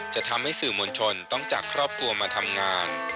จะทำให้สื่อมวลชนต้องจากครอบครัวมาทำงาน